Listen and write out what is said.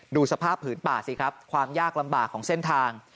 ดูสภาพผืนป่าสิครับความยากลำบากของเส้นทาง